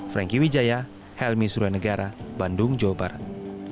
franky wijaya helmi suranegara bandung jawa barat